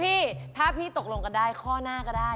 พี่ถ้าพี่ตกลงกันได้ข้อหน้าก็ได้